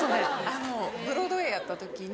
ブロードウェーやった時に。